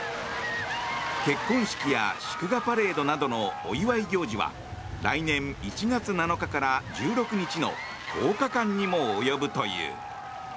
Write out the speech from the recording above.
結婚式や祝賀パレードなどのお祝い行事は来年１月７日から１６日の１０日間にも及ぶという。